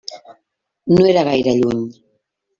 No era gaire lluny.